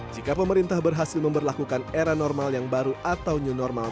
jika pemerintah berhasil memperlakukan era normal yang baru atau new normal